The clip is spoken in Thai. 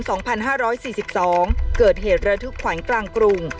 สองพันห้าร้อยสี่สิบสองเกิดเหตุระทึกขวัญกลางกรุง